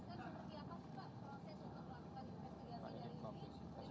proses untuk melakukan